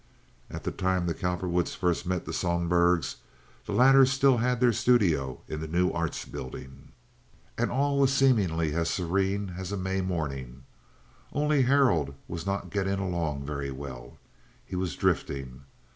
At the time the Cowperwoods first met the Sohlbergs the latter still had their studio in the New Arts Building, and all was seemingly as serene as a May morning, only Harold was not getting along very well. He was drifting.